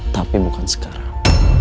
tapi bukan sekarang